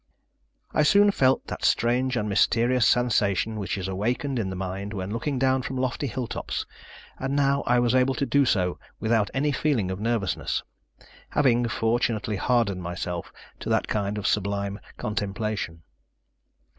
I soon felt that strange and mysterious sensation which is awakened in the mind when looking down from lofty hilltops, and now I was able to do so without any feeling of nervousness, having fortunately hardened myself to that kind of sublime contemplation.